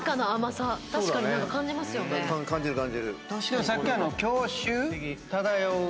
さっき郷愁漂う。